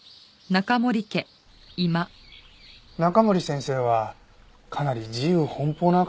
中森先生はかなり自由奔放な方だったようですね？